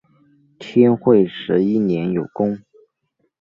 天会十一年有功。